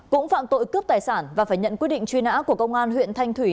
cũng phạm tội cướp tài sản và phải nhận quyết định truy nã của công an huyện thanh thủy